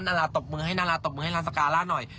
นาราตบมือให้นาราตบมือให้ลาสการ่าหน่อย